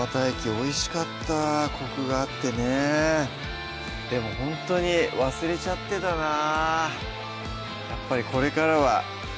おいしかったコクがあってねでもほんとに忘れちゃってたなぁ